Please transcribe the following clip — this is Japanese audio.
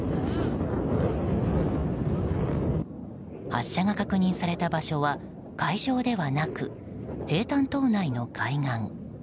発射が確認された場所は海上ではなくヘイタン島内の海岸。